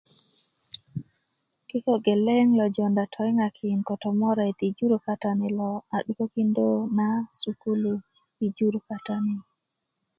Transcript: kikö geleŋ lo jounda toyiŋin ko tomore i jur kata ni lo a 'dukökindö na sukulu i jur kata ni